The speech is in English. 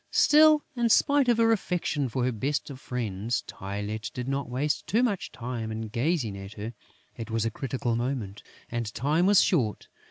Still, in spite of her affection for her best of friends, Tylette did not waste too much time in gazing at her: it was a critical moment; and time was short.